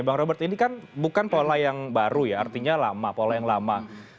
bang robert ini kan bukan pola yang baru ya artinya lama pola yang lama